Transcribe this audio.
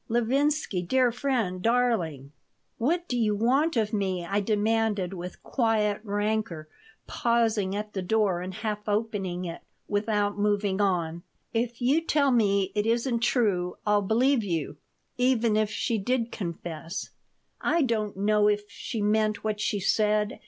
Levinsky! Dear friend! Darling!" "What do you want of me?" I demanded, with quiet rancor, pausing at the door and half opening it, without moving on "If you tell me it isn't true I'll believe you, even if she did confess. I don't know if she meant what she said.